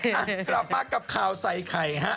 อ่ะกลับมากับข่าวใส่ไข่ฮะ